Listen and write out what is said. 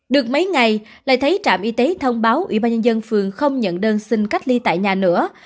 được mấy ngày lại thấy trạm y tế thông báo ủy ban nhân dân phường không nhận đơn xin cách ly tại nhà nữa